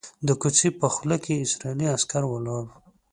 د کوڅې په خوله کې اسرائیلي عسکر ولاړ وو.